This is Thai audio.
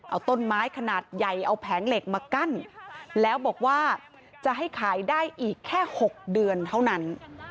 เอาต้นไม้ขนาดใหญ่เอาแผงเหล็กมากั้นแล้วบอกว่าจะให้ขายได้อีกแค่๖เดือนเท่านั้น